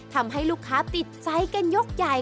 ทำให้ลูกค้าติดใจกันยกใหญ่